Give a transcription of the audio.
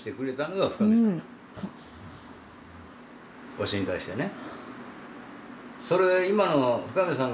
わしに対してね。